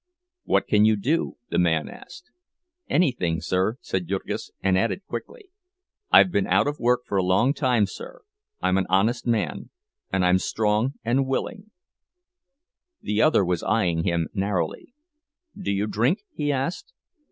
"What can you do?" the man asked. "Anything, sir," said Jurgis, and added quickly: "I've been out of work for a long time, sir. I'm an honest man, and I'm strong and willing—" The other was eying him narrowly. "Do you drink?" he asked.